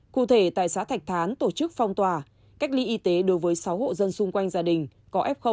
cụ thể tại xã thạch thán tổ chức phong tỏa cách ly y tế đối với sáu hộ dân xung quanh gia đình có f